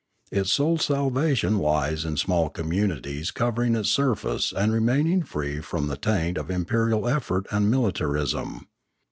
Its sole salvation lies in small communities covering its surface and remaining free from the taint of imperial effort and militarism.